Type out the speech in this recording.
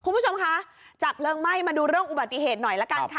คุณผู้ชมคะจากเพลิงไหม้มาดูเรื่องอุบัติเหตุหน่อยละกันค่ะ